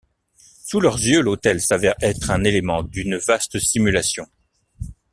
Sous leurs yeux, l'hôtel s'avère être un élément d'une vaste simulation.